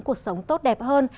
cuộc sống tốt đẹp hơn